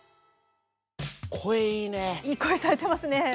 いい声されてますね